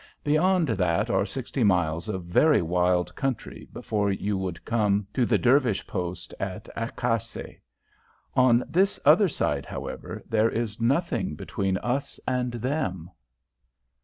Beyond that are sixty miles of very wild country before you would come to the Dervish post at Akasheh. On this other side, however, there is nothing between us and them."